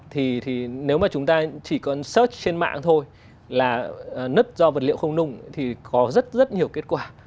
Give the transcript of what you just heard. thì nếu mà chúng ta chỉ còn search trên mạng thôi là nứt do vật liệu không nung thì có rất rất nhiều kết quả